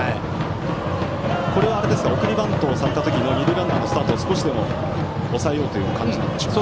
これは送りバントをされた時の二塁ランナーのスタートを少しでも抑えようという感じでしょうか。